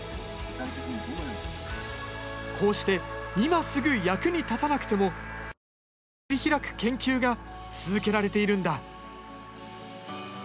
こうして今すぐ役に立たなくても未来を切り開く研究が続けられているんだ。